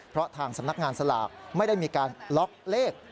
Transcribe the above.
เพราะทางสำนักงานสลากไม่ได้มีการล็อกเลข